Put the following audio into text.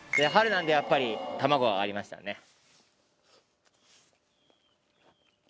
春なんでやっぱり、卵がありましたね。